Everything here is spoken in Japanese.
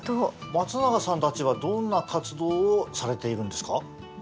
松永さんたちはどんな活動をされているんですか？